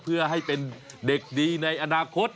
เพื่อให้เป็นเด็กดีในอนาคต